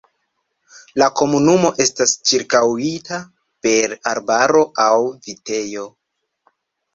La komunumo estas ĉirkaŭita per arbaro aŭ vitejo.